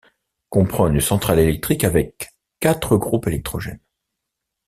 Comprend une centrale électrique avec quatre groupes électrogènes.